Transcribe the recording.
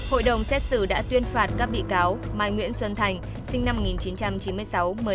hội đồng xét xử đã tuyên phạt các bị cáo mai nguyễn xuân thành sinh năm một nghìn chín trăm chín mươi sáu